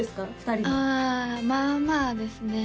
２人のあまあまあですね